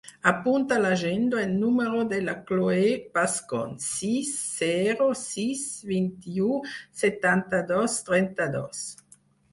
Apunta a l'agenda el número de la Cloè Bascon: sis, zero, sis, vint-i-u, setanta-dos, trenta-dos.